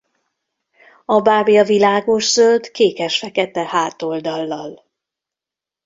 A bábja világoszöld kékes-fekete hátoldallal.